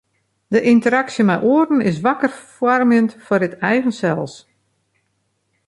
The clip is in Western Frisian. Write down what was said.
De ynteraksje mei oaren is wakker foarmjend foar it eigen sels.